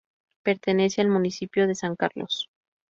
Pertenece al municipio de San Carlos.